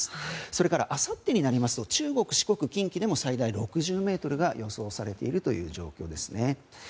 それからあさってになると中国、四国、近畿でも最大６０メートルが予想されているという状況ですね。